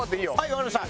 わかりました。